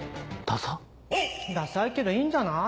ダサいけどいいんじゃない？